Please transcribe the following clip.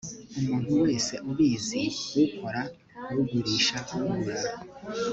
umuntu wese ubizi ukora ugurisha ugura